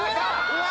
うわ！